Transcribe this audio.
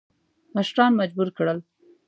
مشران مجبور کړل.